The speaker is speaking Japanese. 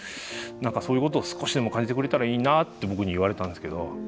「そういうことを少しでも感じてくれたらいいな」って僕に言われたんですけど。